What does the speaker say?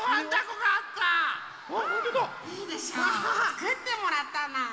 つくってもらったの。